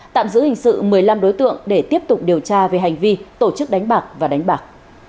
tạm giữ hình sự một mươi năm đối tượng để tiếp tục điều tra về hành vi tổ chức đánh bạc và đánh bạc